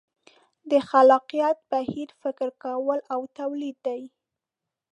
د خلاقیت بهیر فکر کول او تولید دي.